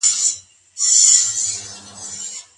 چي د هغه تر وسع لوړ وي.